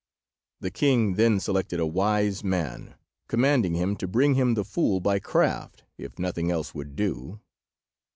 The king then selected a wise man, commanding him to bring him the fool by craft, if nothing else would do.